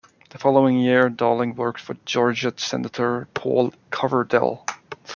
The following year, Darling worked for Georgia Senator Paul Coverdell.